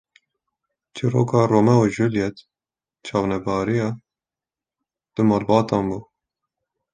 Çîroka Romeo û Juliet jî çavnebariya du malbatan bû